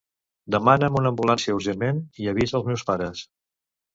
Demana'm una ambulància urgentment i avisa als meus pares.